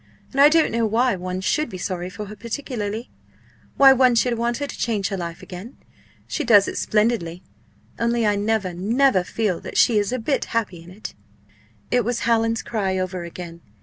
"And I don't know why one should be sorry for her particularly why one should want her to change her life again. She does it splendidly. Only I never, never feel that she is a bit happy in it." It was Hallin's cry over again.